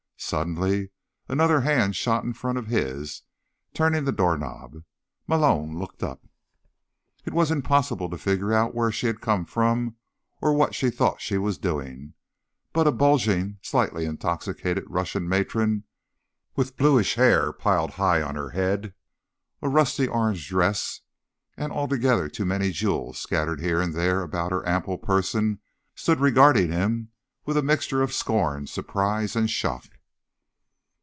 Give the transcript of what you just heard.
Suddenly, another hand shot in front of his, turning the doorknob. Malone looked up. It was impossible to figure out where she had come from, or what she thought she was doing, but a bulging, slightly intoxicated Russian matron with bluish hair piled high on her head, a rusty orange dress and altogether too many jewels scattered here and there about her ample person, stood regarding him with a mixture of scorn, surprise and shock.